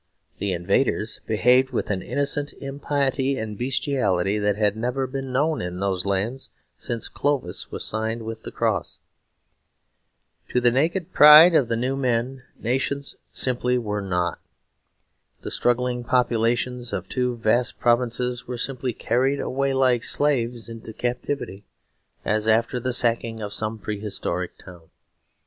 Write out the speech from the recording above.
The invaders behaved with an innocent impiety and bestiality that had never been known in those lands since Clovis was signed with the cross. To the naked pride of the new men nations simply were not. The struggling populations of two vast provinces were simply carried away like slaves into captivity, as after the sacking of some prehistoric town.